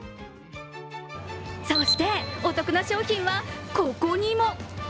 そして、お得な商品はここにも。